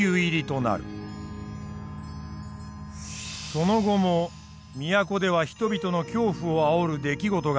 その後も都では人々の恐怖をあおる出来事が続いた。